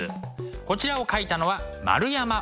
こちらを描いたのは円山応挙。